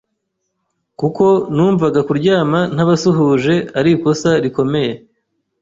kuko numvaga kuryama ntabasuhuje ari ikosa rikomeye,